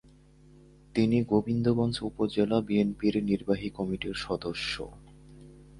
তিনি গোবিন্দগঞ্জ উপজেলা বিএনপির নির্বাহী কমিটির সদস্য।